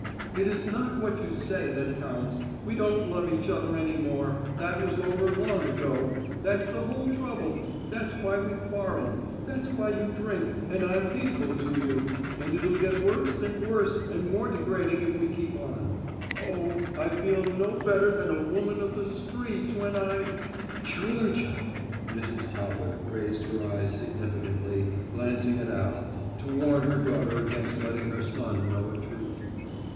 "It is not what you say that counts. We don't love each other any more; that was over long ago; that's the whole trouble; that's why we quarrel; that's why you drink and I'm hateful to you and it'll get worse and worse and more degrading if we keep on. Oh, I feel no better than a woman of the streets when I " "Georgia," Mrs. Talbot raised her eyes significantly, glancing at Al, to warn her daughter against letting her son know a truth.